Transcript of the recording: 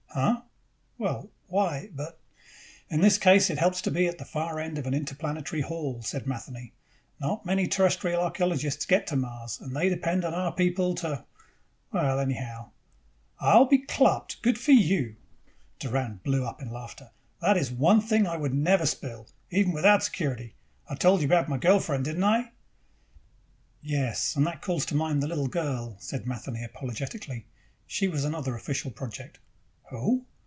"Huh? Well, why, but " "In this case, it helps to be at the far end of an interplanetary haul," said Matheny. "Not many Terrestrial archeologists get to Mars and they depend on our people to Well, anyhow " "I will be clopped! Good for you!" Doran blew up in laughter. "That is one thing I would never spill, even without security. I told you about my girl friend, didn't I?" "Yes, and that calls to mind the Little Girl," said Matheny apologetically. "She was another official project." "Who?"